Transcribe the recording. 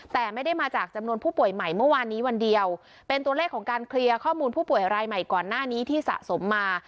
แต่ไม่ได้มาจากจำนวนผู้ป่วยใหม่เมื่อวานนี้วันเดียวเป็นตัวเลขของการเคลียร์ข้อมูลผู้ป่วยรายใหม่ก่อนหน้านี้ที่สะสมมา